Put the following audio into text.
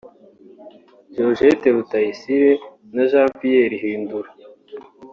Georgette Rutayisire na Jean Pierre Hindura